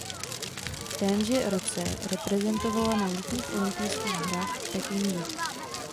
V témže roce reprezentovala na Letních olympijských hrách v Pekingu.